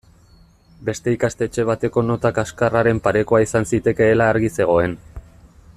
Beste ikastetxe bateko nota kaxkarraren parekoa izan zitekeela argi zegoen.